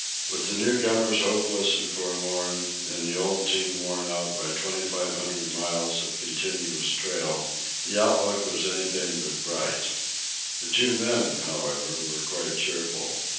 With the newcomers hopeless and forlorn, and the old team worn out by twenty five hundred miles of continuous trail, the outlook was anything but bright. The two men, however, were quite cheerful.